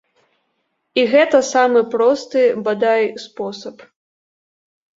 І гэта самы просты, бадай, спосаб.